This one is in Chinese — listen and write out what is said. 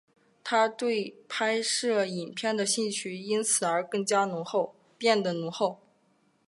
他对拍摄影片的兴趣因此而变得浓厚。